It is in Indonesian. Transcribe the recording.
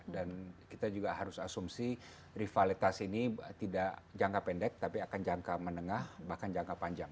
dan kita juga harus asumsi rivalitas ini tidak jangka pendek tapi akan jangka menengah bahkan jangka panjang